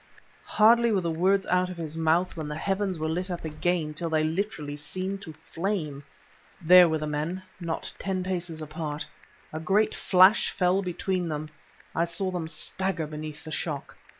Hardly were the words out of his mouth when the heavens were lit up again till they literally seemed to flame. There were the men, not ten paces apart. A great flash fell between them, I saw them stagger beneath the shock.